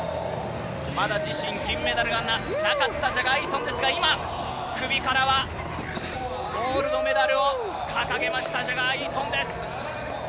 まだ自身、金メダルはなかったジャガー・イートンですが、今、首からはゴールドメダルを掲げました、ジャガー・イートンです。